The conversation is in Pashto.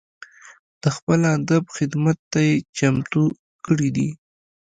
د خپل ادب خدمت ته یې چمتو کړي دي.